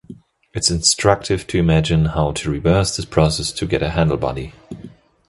It's instructive to imagine how to reverse this process to get a handlebody.